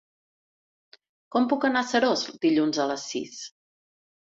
Com puc anar a Seròs dilluns a les sis?